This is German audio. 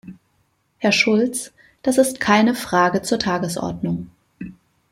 Herr Schulz, das ist keine Frage zur Tagesordnung.